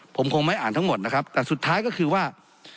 ผมคงไม่อ่านทั้งหมดนะครับแต่สุดท้ายก็คือว่า